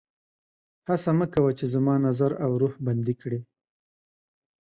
هڅه مه کوه چې زما نظر او روح بندي کړي